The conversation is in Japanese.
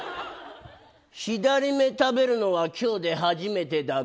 左目食べるのは今日で初めてだが？